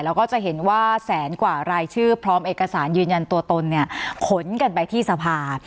แล้วก็จะเห็นว่าแสนกว่ารายชื่อพร้อมเอกสารยืนยันตัวตนเนี่ยขนกันไปที่สภา